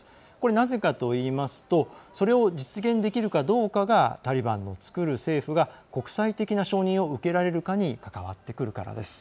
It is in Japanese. なぜかといいますとそれを実現できるかどうかがタリバンの作る政府が国際的な承認を受けられるかに関わってくるからです。